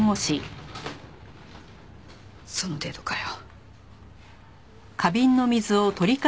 その程度かよ。